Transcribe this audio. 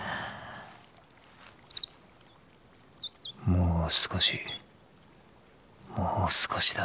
もう少しもう少しだ。